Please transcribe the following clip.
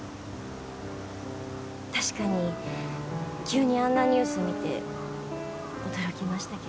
確かに急にあんなニュース見て驚きましたけど。